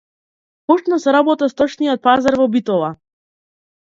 Почна со работа Сточниот пазар во Битола